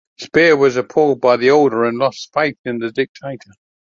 Speer was appalled by the order and lost faith in the dictator.